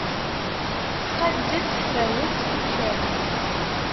Tqadd-d tfawet i ucerrig.